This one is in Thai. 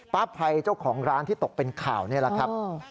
ภัยเจ้าของร้านที่ตกเป็นข่าวนี่แหละครับ